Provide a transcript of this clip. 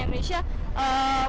saya dari cnm